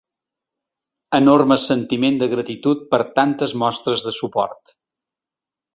Enorme sentiment de gratitud per tantes mostres de suport.